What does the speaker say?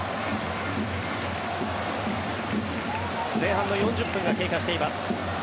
前半の４０分が経過しています。